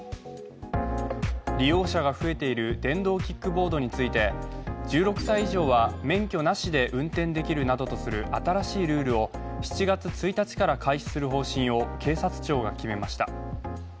利用者が増えている電動キックボードについて１６歳以上は免許なしで運転できるなどとする新しいルールを７月１日から開始する方針を警察庁が決めました。